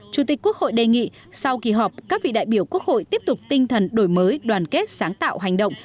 chủ tịch quốc hội đề nghị sau kỳ họp các vị đại biểu quốc hội tiếp tục tinh thần đổi mới đoàn kết sáng tạo hành động